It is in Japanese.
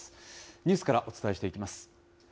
ニュースからお伝えしていきます。